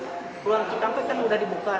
ruang ke kampung kan sudah dibuka